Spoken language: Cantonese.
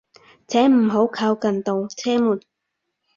請唔好靠近度車門